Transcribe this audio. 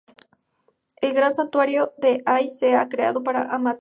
El gran santuario de Ise se ha creado para Amaterasu.